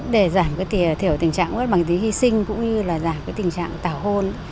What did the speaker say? để giảm thiểu tình trạng mất bằng giới tính khi sinh cũng như giảm tình trạng tảo hôn